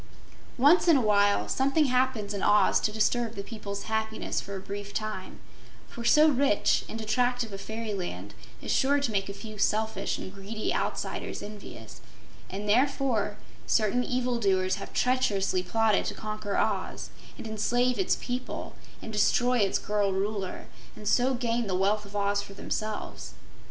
Once in a while something happens in Oz to disturb the people's happiness for a brief time, for so rich and attractive a fairyland is sure to make a few selfish and greedy outsiders envious, and therefore certain evil doers have treacherously plotted to conquer Oz and enslave its people and destroy its girl Ruler, and so gain the wealth of Oz for themselves.